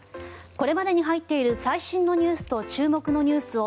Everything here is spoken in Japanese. これまでに入っている最新のニュースと注目のニュースを